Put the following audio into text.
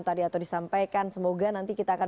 tadi atau disampaikan semoga nanti kita akan